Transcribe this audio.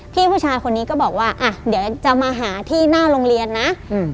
พี่ผู้ชายคนนี้ก็บอกว่าอ่ะเดี๋ยวจะมาหาที่หน้าโรงเรียนนะอืม